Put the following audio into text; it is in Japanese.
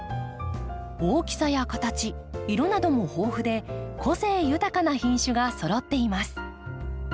大きさや形色なども豊富で個性豊かな品種がそろっています。